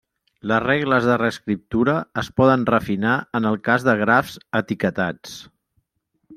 Les regles de reescriptura es poden refinar en el cas de grafs etiquetats.